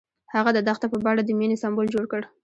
هغه د دښته په بڼه د مینې سمبول جوړ کړ.